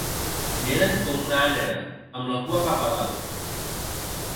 Neden com una ànnera amb la cua cap dalt.